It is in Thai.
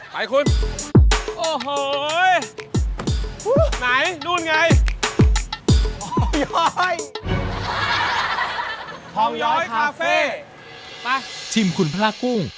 ไปคุณโอ้โหไหนนู่นไงทองย้อยคาเฟ่ไปชิมคุณพระกุ้ง